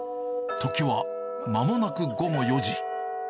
時はまもなく午後４時。